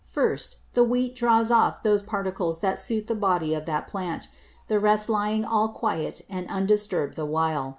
First, the Wheat draws off those Particles that suit the Body of that Plant; the rest lying all quiet and undisturbed the while.